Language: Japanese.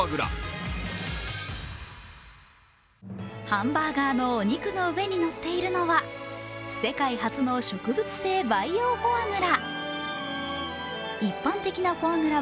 ハンバーガーのお肉の上に乗っているのは世界初の植物性培養フォアグラ。